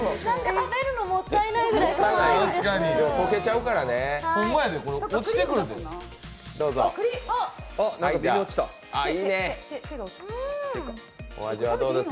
食べるのもったいないぐらいかわいいです。